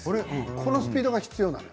このスピードが必要なのよ。